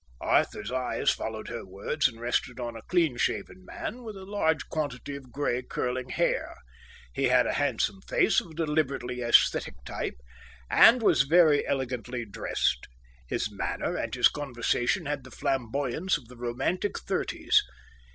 Arthur's eyes followed her words and rested on a cleanshaven man with a large quantity of grey, curling hair. He had a handsome face of a deliberately aesthetic type and was very elegantly dressed. His manner and his conversation had the flamboyance of the romantic thirties.